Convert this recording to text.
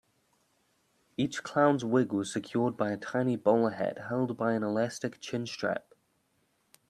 Each clown's wig was secured by a tiny bowler hat held by an elastic chin-strap.